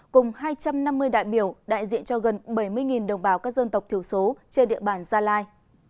cùng hai trăm năm mươi đại biểu đại diện cho gần bảy mươi đồng bào các dân tộc thiểu số trên địa bàn gia lai